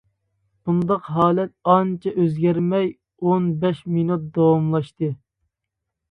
بۇنداق ھالەت ئانچە ئۆزگەرمەي ئون بەش مىنۇت داۋاملاشتى.